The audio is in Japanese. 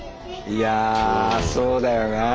いやそうだよなあ。